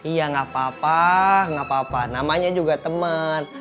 iya gak apa apa gak apa apa namanya juga temen